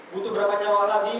butuh berapa nyawa lagi